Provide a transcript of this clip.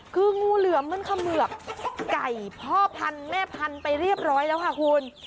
คืองูเหลือมมันเขมือบไก่พ่อพันธุ์แม่พันธุ์ไปเรียบร้อยแล้วค่ะคุณ